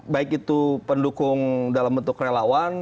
baik itu pendukung dalam bentuk relawan